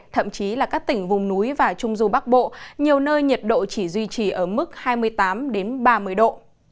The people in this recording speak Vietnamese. thậm chí là các tỉnh vùng núi và trung du bắc bộ nhiều nơi nhiệt độ chỉ duy trì ở mức hai mươi tám ba mươi độ